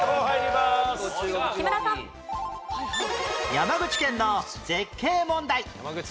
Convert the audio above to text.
山口県の絶景問題